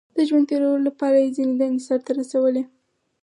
• د ژوند تېرولو لپاره یې ځینې دندې سر ته رسولې.